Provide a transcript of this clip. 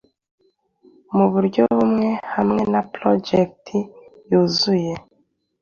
muburyo bumwe hamwe na Projet yuzuye